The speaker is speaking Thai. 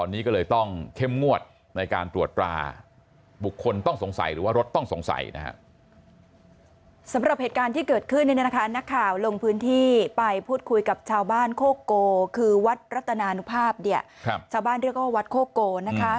นักข่าวลงพื้นที่ไปพูดคุยกับชาวบ้านโคโกคือวัดรัตนานุภาพเนี่ยชาวบ้านเรียกว่าวัดโคโกนะคะ